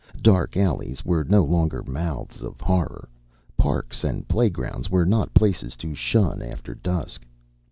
Dark alleys were no longer mouths of horror. Parks and playgrounds were not places to shun after dusk.